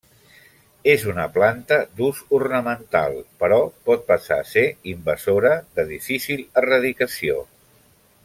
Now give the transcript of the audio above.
És una planta d'ús ornamental però pot passar a ser invasora de difícil erradicació.